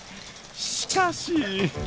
しかし。